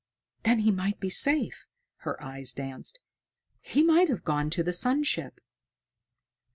"Then he might be safe!" Her eyes danced. "He might have gone to the sun ship."